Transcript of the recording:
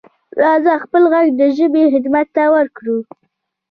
راځه خپل غږ د ژبې خدمت ته ورکړو.